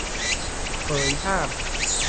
เผยภาพ